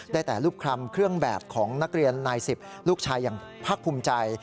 ได้แต่รูปคลำเครื่องแบบของนักเรียนนาย๑๐ลูกชายอย่างภาคภูมิใจ